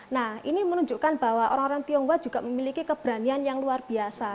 nah ini menunjukkan bahwa orang orang tionghoa juga memiliki keberanian yang luar biasa